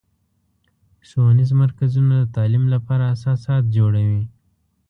ښوونیز مرکزونه د تعلیم لپاره اساسات جوړوي.